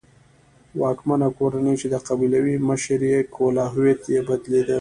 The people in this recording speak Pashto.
واکمنه کورنۍ چې د قبیلو مشري یې کوله هویت یې بدلېده.